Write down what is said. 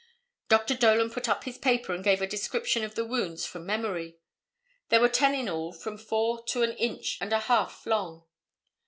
Dr. Dolan put up his paper and gave a description of the wounds from memory. There were ten in all from four to an inch and a half long.